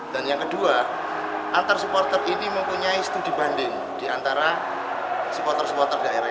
dan yang kedua antara supporter ini mempunyai studi banding di antara supporter supporter daerah yang lain